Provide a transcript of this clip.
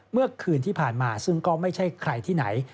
เมื่อคืนที่ผ่านมาซึ่งก็ไม่ใช่ใครที่ไหน